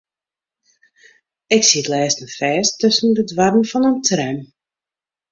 Ik siet lêsten fêst tusken de doarren fan in tram.